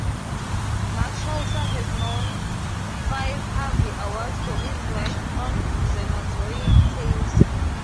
Mark Schultz has won five Harvey Awards for his work on "Xenozoic Tales".